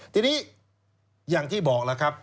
ทีนี้อย่างที่บอกแล้วครับ